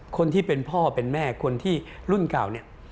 คนที่เป็นพ่อเป็นแม่คนที่รุ่นเก่าเนี่ย